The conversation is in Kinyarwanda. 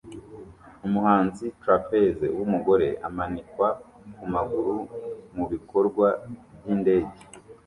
Umuhanzi trapeze wumugore amanikwa kumaguru mubikorwa byindege